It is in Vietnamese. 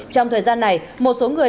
trong thời gian này một số người